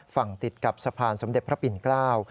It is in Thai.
ติดกับสะพานสมเด็จพระปิ่นเกล้า